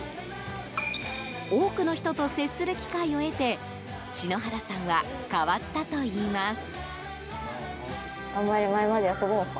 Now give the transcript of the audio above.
多くの人と接する機会を得て篠原さんは変わったといいます。